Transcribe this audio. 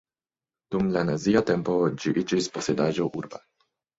Dum la nazia tempo ĝi iĝis posedaĵo urba.